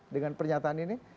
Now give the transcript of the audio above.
dengan pernyataan ini